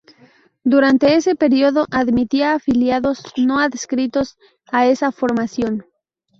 Durante ese periodo admitía afiliados no adscritos a esa formación.